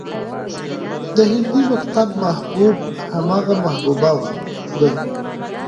د هندي مکتب محبوب همغه محبوبه ده